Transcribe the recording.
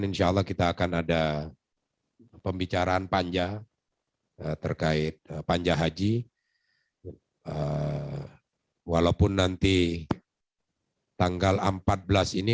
insya allah kita akan ada pembicaraan panja terkait panja haji walaupun nanti tanggal empat belas ini